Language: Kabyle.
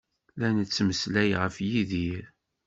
La nettmeslay ɣef Yidir.